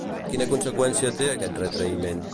Quina conseqüència té aquest retraïment?